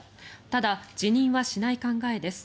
ただ、辞任はしない考えです。